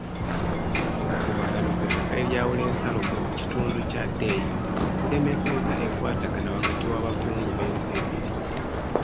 Obukuubagano ku ttaka eryawula ensalo mu kitundu kya Dei bulemesezza enkwatagana wakati w'abakungu b'ensi ebbiri.